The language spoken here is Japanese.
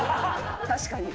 確かに。